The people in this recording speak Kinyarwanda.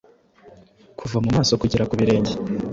kuva mu maso kugera ku birenge,